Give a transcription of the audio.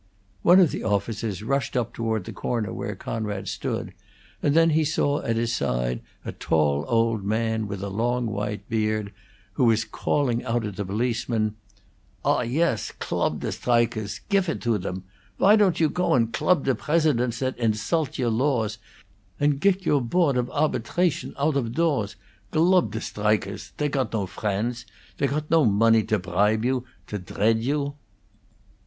One of the officers rushed up toward the corner where Conrad stood, and then he saw at his side a tall, old man, with a long, white beard, who was calling out at the policemen: "Ah, yes! Glup the strikerss gif it to them! Why don't you co and glup the bresidents that insoalt your lawss, and gick your Boart of Arpidration out of toors? Glup the strikerss they cot no friendts! They cot no money to pribe you, to dreat you!"